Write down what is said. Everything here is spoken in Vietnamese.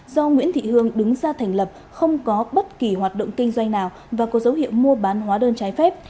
do nguyễn thị hương đứng ra thành lập không có bất kỳ hoạt động kinh doanh nào và có dấu hiệu mua bán hóa đơn trái phép